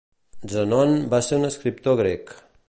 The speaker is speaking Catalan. "Zenon" va ser un escriptor grec.